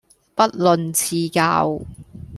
不吝賜教